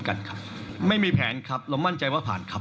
คุณหมอชนหน้าเนี่ยคุณหมอชนหน้าเนี่ย